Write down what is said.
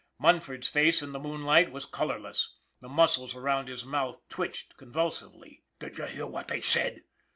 Mun ford's face in the moonlight was colorless, the muscles around his mouth twitched convulsively. "D'ye hear what they said?